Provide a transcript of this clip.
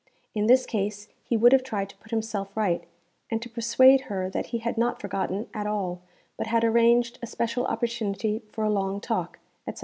In this case he would have tried to put himself right and to persuade her that he had not forgotten at all, but had arranged a special opportunity for a long talk, etc.